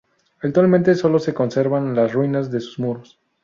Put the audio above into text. Actualmente solo se conservan las ruinas de sus muros.